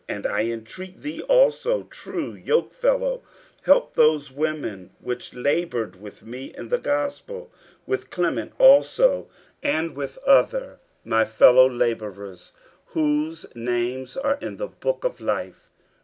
50:004:003 And I intreat thee also, true yokefellow, help those women which laboured with me in the gospel, with Clement also, and with other my fellowlabourers, whose names are in the book of life.